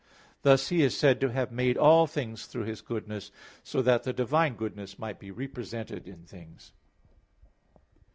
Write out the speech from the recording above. Thus He is said to have made all things through His goodness, so that the divine goodness might be represented in things.